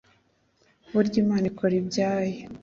burya imana ikora ibyayo